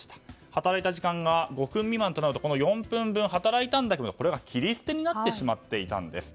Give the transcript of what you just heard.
働いた時間が５分未満となると４分分、働いたんだけど切り捨てになってしまっていたんです。